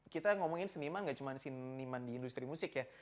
kita ngomongin seniman gak cuma seniman di industri musik ya